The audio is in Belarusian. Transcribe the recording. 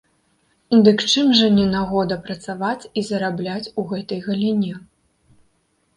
Дык чым жа не нагода працаваць і зарабляць у гэтай галіне?